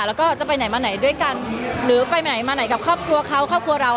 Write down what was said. แล้วก็จะไปไหนมาไหนด้วยกันหรือไปไหนมาไหนกับครอบครัวเขา